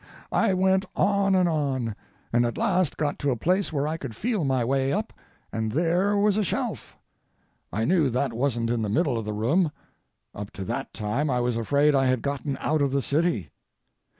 I went on and on, and at last got to a place where I could feel my way up, and there was a shelf. I knew that wasn't in the middle of the room. Up to that time I was afraid I had gotten out of the city.